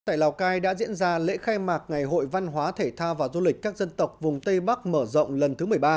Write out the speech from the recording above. tại lào cai đã diễn ra lễ khai mạc ngày hội văn hóa thể thao và du lịch các dân tộc vùng tây bắc mở rộng lần thứ một mươi ba